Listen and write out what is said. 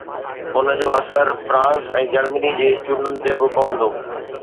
ان جو اثر France ۽ Germany جي چونڊن تي به پوندو